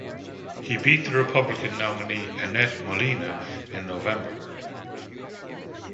He beat the Republican nominee Annette Molina in November.